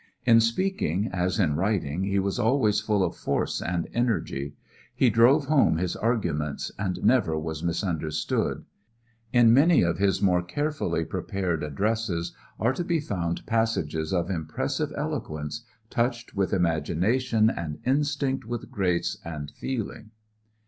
In speaking, as in writing, he was always full of force and energy; he drove home his arguments and never was misunderstood. In many of his more carefully prepared addresses are to be found passages of impressive eloquence, touched with imagination and instinct with grace and feeling.